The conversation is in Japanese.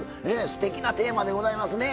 すてきなテーマでございますね。